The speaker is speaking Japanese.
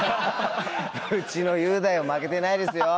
ウチの雄大も負けてないですよ。